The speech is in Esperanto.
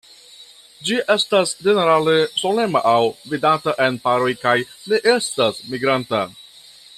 Ĝi estas ĝenerale solema aŭ vidata en paroj kaj ne estas migranta.